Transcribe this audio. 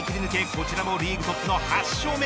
こちらもリーグトップの８勝目。